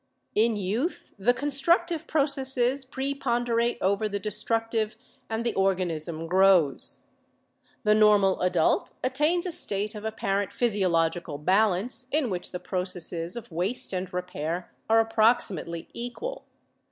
In youth the constructive processes preponderate over the destructive and the organism grows. The normal adult attains a state of apparent physiological balance in which the processes of waste and repair are approximately equal.